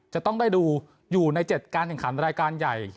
จะต้องได้ดูอยู่ใน๗การแข่งขันรายการใหญ่